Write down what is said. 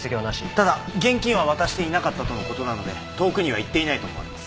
ただ現金は渡していなかったとの事なので遠くには行っていないと思われます。